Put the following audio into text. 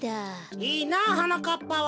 いいなはなかっぱは。